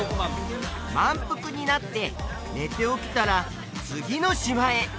満腹になって寝て起きたら次の島へ！